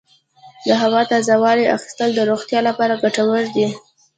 د هوا تازه والي اخیستل د روغتیا لپاره ګټور دي.